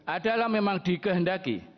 adalah memang dikehendaki